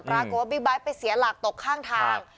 ประโกะว่าบิ๊กบายท์ไปเสียหลักตกข้างทาง